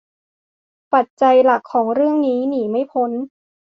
ปัจจัยหลักของเรื่องนี้หนีไม่พ้น